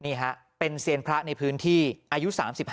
นี่ฮะเป็นเซียนพระในพื้นที่อายุ๓๕